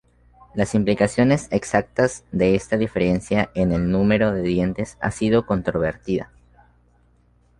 Las implicaciones exactas de esta diferencia en el número de dientes ha sido controvertida.